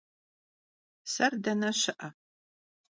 Ser dene şı'e?